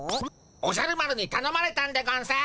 おじゃる丸にたのまれたんでゴンス。